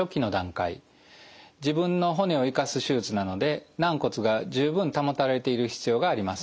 自分の骨を生かす手術なので軟骨が十分保たれている必要があります。